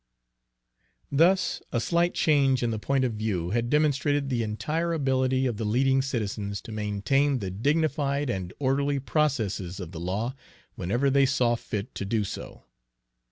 Thus a slight change in the point of view had demonstrated the entire ability of the leading citizens to maintain the dignified and orderly processes of the law whenever they saw fit to do so.